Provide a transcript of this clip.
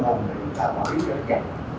để chúng ta có ý chấp nhận